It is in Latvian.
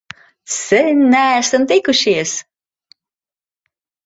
Sen neesam tikušies!